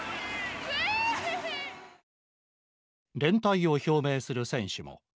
連帯を表明する選手も。